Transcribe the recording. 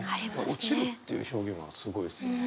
「落ちる」っていう表現はすごいですよね。